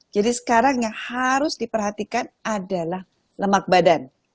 jadi sekarang yang harus diperhatikan adalah lemak badan